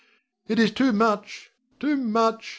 It is too much, too much!